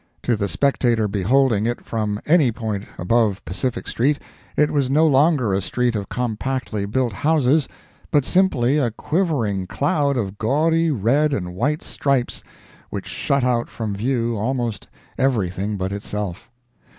To the spectator beholding it from any point above Pacific street, it was no longer a street of compactly built houses, but simply a quivering cloud of gaudy red and white stripes, which shut out from view almost everything but itself.